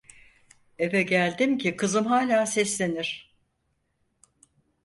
Eve geldim ki kızım hala seslenir: